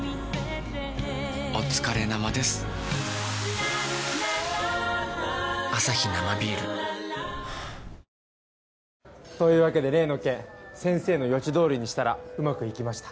おつかれ生です。というわけで例の件先生の予知どおりにしたらうまくいきました。